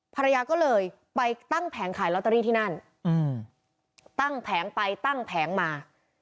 ภรรยาก็เลยไปตั้งแผงขายลอตเตอรี่ที่นั่นตั้งแผงไปตั้งแผงมา